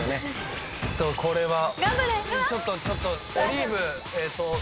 これはちょっとちょっとオリーブえーっと。